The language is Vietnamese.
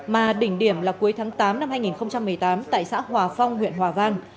mà đỉnh điểm là cuối tháng tám năm hai nghìn một mươi tám tại xã hòa phong huyện hòa vang